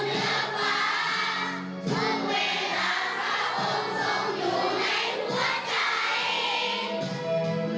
แม่เห็นช่วยเพียงไหนไม่เข้าตามตามใจ